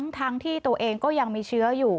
ทั้งที่ตัวเองก็ยังมีเชื้ออยู่